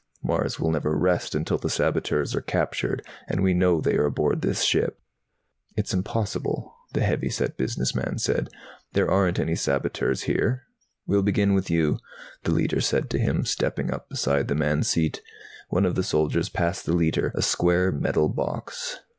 Mars will never rest until the saboteurs are captured. And we know they are aboard this ship." "It's impossible," the heavy set business man said. "There aren't any saboteurs here." "We'll begin with you," the Leiter said to him, stepping up beside the man's seat. One of the soldiers passed the Leiter a square metal box.